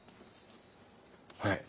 はい！